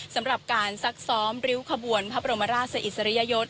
สำหรับการซักซ้อมริ้วขบวนพระบรมราชอิสริยยศ